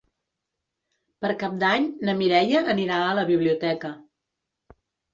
Per Cap d'Any na Mireia anirà a la biblioteca.